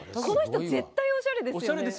この人絶対おしゃれですよね。